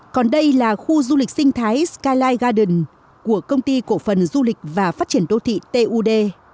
còn đây là khu du lịch sinh thái skyline garden của công ty cổ phần du lịch và phát triển đô thị tud